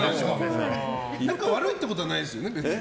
仲悪いってことはないですよね？